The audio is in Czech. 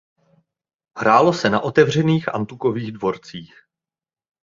Hrálo se na otevřených antukových dvorcích.